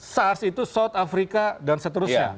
sars itu south afrika dan seterusnya